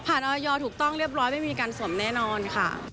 ออยถูกต้องเรียบร้อยไม่มีการสวมแน่นอนค่ะ